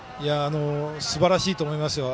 すばらしいと思います。